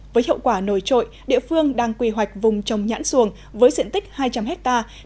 với hiệu quả nổi trội địa phương đang quy hoạch vùng trồng nhãn xuồng với diện tích hai trăm linh hectare